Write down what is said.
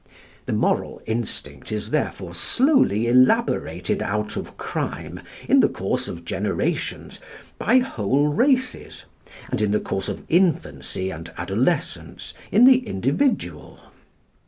The moral instinct is therefore slowly elaborated out of crime in the course of generations by whole races, and in the course of infancy and adolescence in the individual.